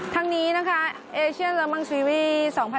ทางนี้นะคะเอเชียนและมังชีวี๒๐๑๖๒๐๑๗